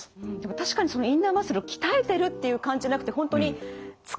確かにインナーマッスルを鍛えてるっていう感じじゃなくて本当に使ってるっていう感覚。